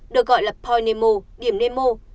được gọi là poinemo điểm nemo